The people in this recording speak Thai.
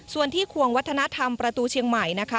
ส่วนที่ควงวัฒนธรรมประตูเชียงใหม่นะคะ